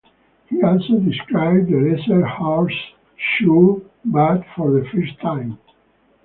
He also described the lesser horseshoe bat for the first time.